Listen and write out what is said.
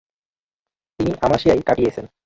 তিনি আমাসিয়ায় কাটিয়েছেন।